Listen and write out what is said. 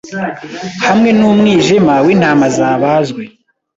hamwe numwijima wintama zabazwe